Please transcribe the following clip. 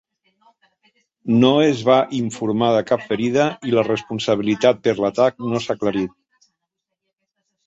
No es va informar de cap ferida i la responsabilitat per l'atac no s'ha aclarit.